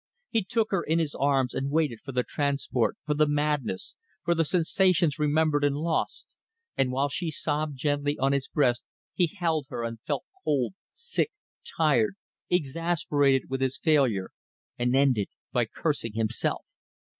He took her in his arms and waited for the transport, for the madness, for the sensations remembered and lost; and while she sobbed gently on his breast he held her and felt cold, sick, tired, exasperated with his failure and ended by cursing himself.